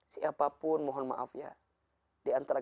siapapun mohon maaf ya